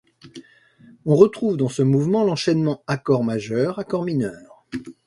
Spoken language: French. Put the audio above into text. On retrouve dans ce mouvement l'enchaînement accord majeur-accord mineur.